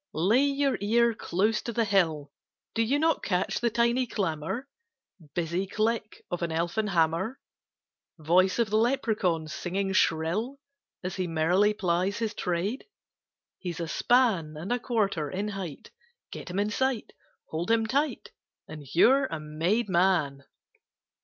Lay your ear close to the hill. Do you not catch the tiny clamour, Busy click of an Elfin hammer, Voice of the Lepracaun singing shrill As he merrily plies his trade? He's a span And a quarter in height. Get him in sight, hold him tight, And you're a made Man!